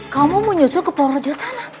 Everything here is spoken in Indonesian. kamu mau nyusul ke purworejo sana